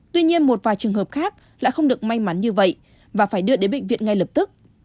tuy nhiên một vài trường hợp khác lại không được may mắn như vậy và phải đưa đến bệnh viện ngay lập tức